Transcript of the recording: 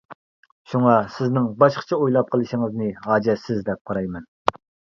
شۇڭا سىزنىڭ باشقىچە ئويلاپ قىلىشىڭىزنى ھاجەتسىز، دەپ قارايمەن!